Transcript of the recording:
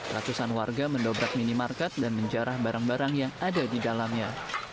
ratusan warga mendobrak minimarket dan menjarah barang barang yang ada di dalamnya